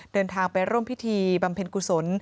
เดินทางไปร่วมพิธีบำเพ็ญกุศล